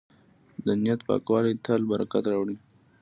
د نیت پاکي تل برکت راوړي.